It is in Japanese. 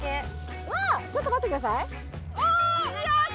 うわっちょっと待ってくださいあっ！